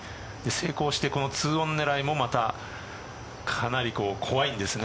成功して２オン狙いもまたかなり怖いんですね